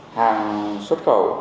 hàng xuất khẩu